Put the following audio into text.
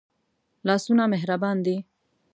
لاسونه مهربان دي